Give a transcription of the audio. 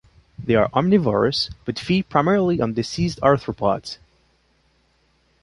They are omnivorous, but feed primarily on deceased arthropods.